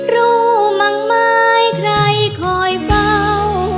รู้มั้งไหมใครคอยเฝ้า